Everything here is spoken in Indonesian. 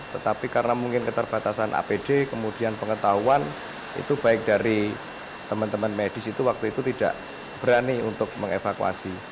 tetapi karena mungkin keterbatasan apd kemudian pengetahuan itu baik dari teman teman medis itu waktu itu tidak berani untuk mengevakuasi